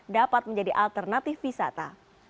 dapat menjadi alternatif wisata